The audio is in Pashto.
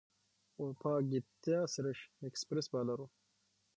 وپاګیتا سريش ایکسپریس بالر وه.